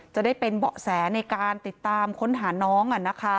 จะได้เป็นเบาะแสในการติดตามค้นหาน้อง